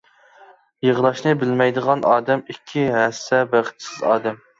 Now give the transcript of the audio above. يىغلاشنى بىلمەيدىغان ئادەم ئىككى ھەسسە بەختسىز ئادەم!